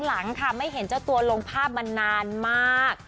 หลังค่ะไม่เห็นเจ้าตัวลงภาพมานานมาก